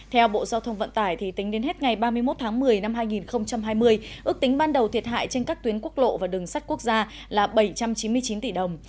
theo bộ giao thông vận tải tính đến hết ngày ba mươi một tháng một mươi năm hai nghìn hai mươi ước tính ban đầu thiệt hại trên các tuyến quốc lộ và đường sắt quốc gia là bảy trăm chín mươi chín tỷ đồng